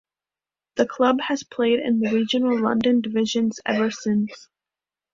The club has played in the regional London divisions ever since.